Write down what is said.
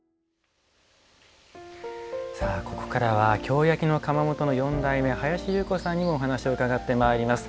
ここからは京焼の窯元の四代目林侑子さんにもお話を伺ってまいります。